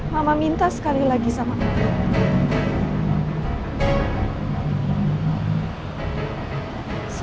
mama minta sekali lagi sama ayah